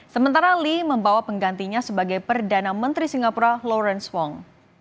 sementara lee membawa penggantinya sebagai perdana menteri singapura lawrence wong